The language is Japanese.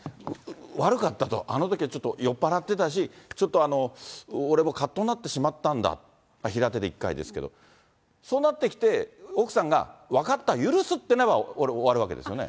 悪かったと、あのときはちょっと酔っ払ってたし、ちょっと俺もかっとなってしまったんだと、平手で１回ですけど、そうなってきて、奥さんが、分かった、許すってなれば終わるわけですよね。